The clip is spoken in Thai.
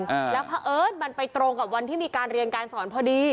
วันนี้คือนี่มันไปตรงกับวันที่มีการเรียนการสอนพอดี